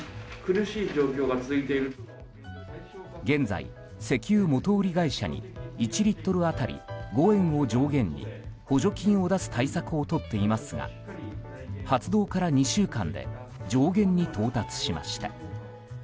現在、石油元売り会社に１リットル当たり５円を上限に補助金を出す対策をとっていますが発動から２週間で上限に到達しました。